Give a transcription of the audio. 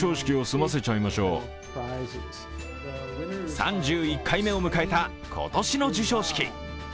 ３１回目を迎えた今年の授賞式。